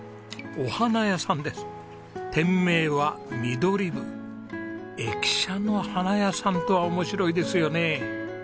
駅舎の花屋さんとは面白いですよね。